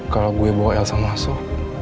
kalau gue bawa elsa masuk